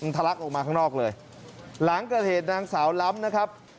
ทะลักออกมาข้างนอกเลยหลังเกิดเหตุนางสาวล้ำนะครับ